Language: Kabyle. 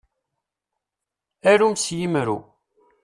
Arum s yimru.